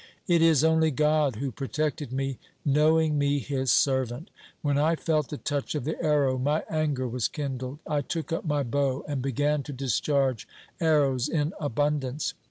It is only God who protected me, knowing me His servant. When I felt the touch of the arrow, my anger was kindled. I took up my bow and began to discharge arrows in abundance.